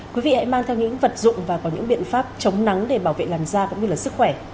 quý vị hãy mang theo những vật dụng và có những biện pháp chống nắng để bảo vệ làn da cũng như là sức khỏe